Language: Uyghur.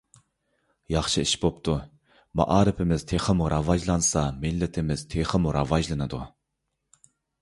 ياخشى ئىش بوپتۇ. مائارىپىمىز تېخىمۇ راۋاجلانسا مىللىتىمىز تېخىمۇ راۋاجلىنىدۇ.